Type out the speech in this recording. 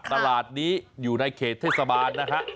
ตลาดนี้อยู่ในเขตเทศบาลนะฮะ